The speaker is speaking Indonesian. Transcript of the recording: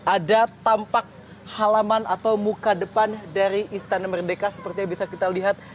ada tampak halaman atau muka depan dari istana merdeka seperti yang bisa kita lihat